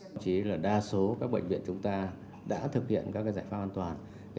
thậm chí là đa số các bệnh viện chúng ta đã thực hiện các giải pháp an toàn